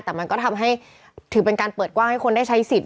แต่มันก็ทำให้ถือเป็นการเปิดกว้างให้คนได้ใช้สิทธิ